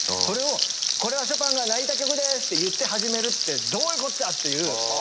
それをこれはショパンが泣いた曲ですって言って始めるってどういうこっちゃっていう。